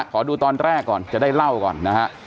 ขอดูตอนแรกก่อนจะได้เล่าก่อนนะฮะ